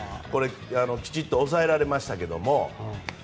きちっと抑えられましたけど。